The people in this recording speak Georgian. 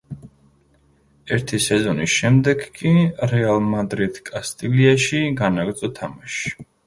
ერთი სეზონის შემდეგ კი „რეალ მადრიდ კასტილიაში“ განაგრძო თამაში.